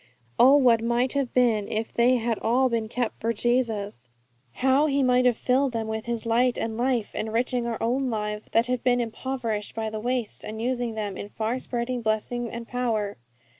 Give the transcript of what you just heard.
Oh, what might have been if they had all been kept for Jesus! How He might have filled them with His light and life, enriching our own lives that have been impoverished by the waste, and using them in far spreading blessing and power!